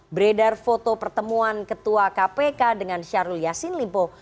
beredar foto pertemuan ketua kpk dengan syahrul yassin limpo